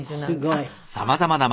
すごい。